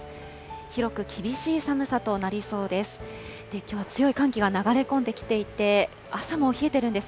広く厳しい寒さとなりそうです。